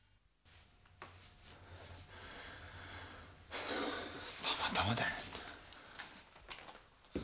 フゥたまたまだよ。